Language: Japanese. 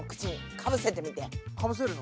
かぶせるの？